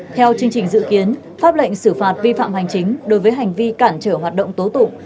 theo chương trình dự kiến pháp lệnh xử phạt vi phạm hành chính đối với hành vi cản trở hoạt động tố tụng